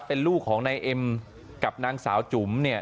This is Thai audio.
เป็นลูกของนายเอ็มกับนางสาวจุ๋มเนี่ย